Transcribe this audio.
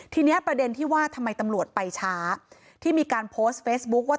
ทีนี้ประเด็นที่ว่าทำไมตำรวจไปช้าที่มีการโพสต์เฟซบุ๊คว่า